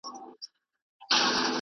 چي پرون مي د نيکونو وو، نن زما دی.